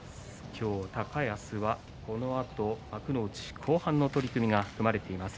今日は高安はこのあと幕内後半の取組が組まれています。